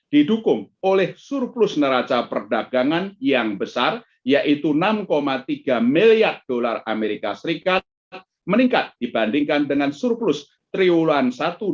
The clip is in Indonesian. didukung oleh surplus neraca perdagangan yang besar yaitu enam tiga miliar dolar as meningkat dibandingkan dengan surplus triwulan satu dua ribu dua puluh